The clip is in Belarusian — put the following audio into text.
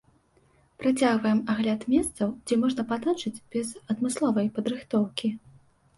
Працягваем агляд месцаў, дзе можна патанчыць без адмысловай падрыхтоўкі.